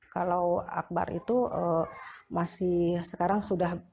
kalau akbar itu masih sekarang sudah